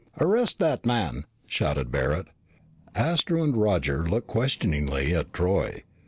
"Arrest that man!" shouted Barret. Astro and Roger looked questioningly at Troy.